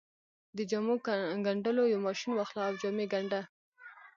د جامو ګنډلو يو ماشين واخله او جامې ګنډه.